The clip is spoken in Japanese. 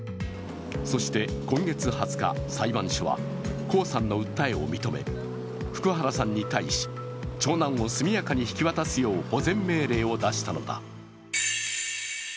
そして今月２０日、裁判所は江さんの訴えを認め、福原さんに対し長男を速やかに引き渡すよう保全命令を出したのだ。